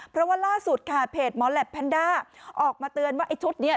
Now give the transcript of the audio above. เพราะว่าล่าสุดค่ะเพจหมอแหลปแพนด้าออกมาเตือนว่าไอ้ชุดนี้